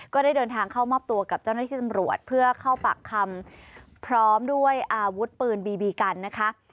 ก็ได้เดินทางเข้ามอบตัวกับเจ้าหน้าที่ตำรวจเพื่อเข้าปากคำพร้อมด้วยอาวุธปืนบีบีกันนะคะ